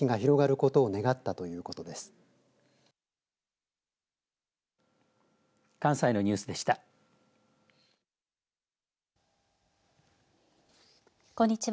こんにちは。